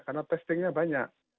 karena testingnya banyak